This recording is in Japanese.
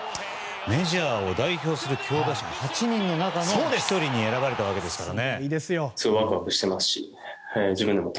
メジャーを代表する強打者８人の中の１人に選ばれたわけですからね。